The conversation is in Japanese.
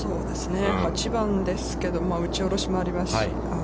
８番ですけど、打ちおろしもありますし。